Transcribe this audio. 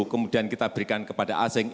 kemudian kita berikan kepada asing